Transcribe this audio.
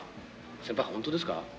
先輩本当ですか？